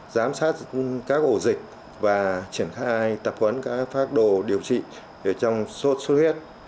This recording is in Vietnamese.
giám sát các ổ dịch và triển khai tập huấn các phác đồ điều trị trong suốt suốt huyết